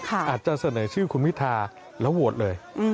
อาจจะเสนอชื่อคุณพิทาแล้วโหวตเลย